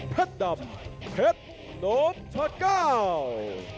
เพดดับเผ็ดนบทะกาว